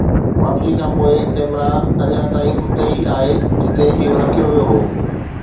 واپسي کان پوء، ڪئميرا اڃا تائين اتي ئي آهي جتي اهو رکيو ويو هو